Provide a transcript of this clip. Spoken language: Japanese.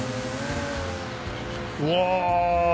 うわ。